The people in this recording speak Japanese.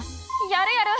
やるやる。